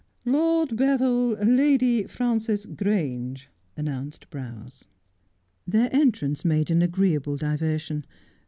•' Lord Beville, Lady Frances Grange,' announced Browse. Their entrance made an agreeable diversion.